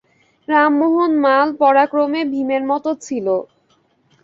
রামমোহন মাল পরাক্রমে ভীমের মতো ছিল।